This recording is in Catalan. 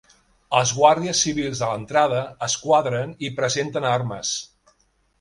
Els guàrdies civils de l'entrada es quadren i presenten armes.